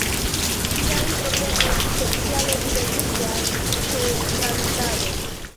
Tiaj problemoj speciale videbliĝas ĉe tradukado.